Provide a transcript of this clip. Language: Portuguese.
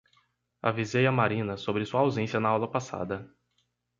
Avisei à Marina sobre sua ausência na aula passada